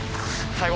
最後！